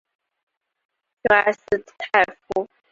圣埃斯泰夫。